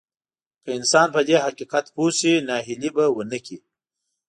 که انسان په دې حقيقت پوه شي ناهيلي به ونه کړي.